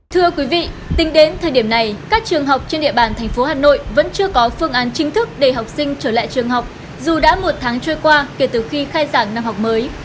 thưa quý vị tính đến thời điểm này các trường học trên địa bàn thành phố hà nội vẫn chưa có phương án chính thức để học sinh trở lại trường học dù đã một tháng trôi qua kể từ khi khai giảng năm học mới